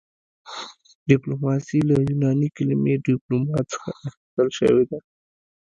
ډیپلوماسي له یوناني کلمې ډیپلوما څخه اخیستل شوې ده